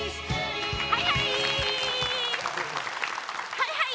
はいはい！